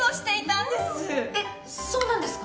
えっそうなんですか！？